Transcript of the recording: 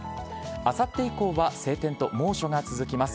あさって以降は晴天と猛暑が続きます。